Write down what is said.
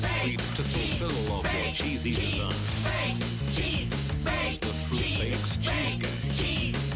チーズ！